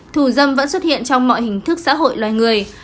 thù dâm vẫn xuất hiện trong mọi hình thức xã hội loài người